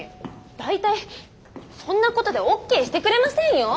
大体そんなことでオッケーしてくれませんよォ？